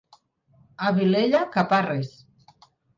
A Vilella, caparres.